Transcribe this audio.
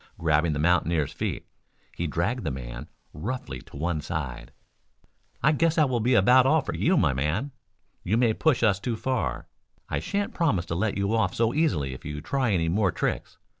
Grabbing the mountaineer's feet he dragged the man roughly to one side. "I guess that will be about all for you, my man. You may push us too far. I shan't promise to let you off so easily if you try any more tricks.